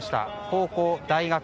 高校、大学